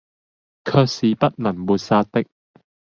卻是不能抹殺的，